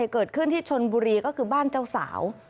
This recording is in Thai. เกิดขึ้นที่ชนบุรีก็คือบ้านเจ้าสาว